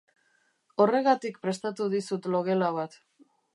Horregatik prestatu dizut logela bat.